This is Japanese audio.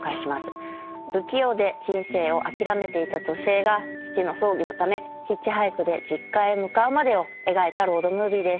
不器用で人生を諦めていた女性が父の葬儀のためヒッチハイクで実家へ向かうまでを描いたロードムービーです。